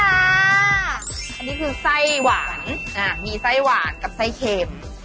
อันนี้คือไส้หวานมีไส้หวานกับไส้เค็ม